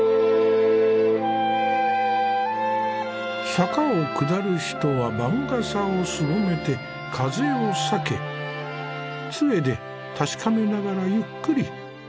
坂を下る人は番傘をすぼめて風を避けつえで確かめながらゆっくり歩いている。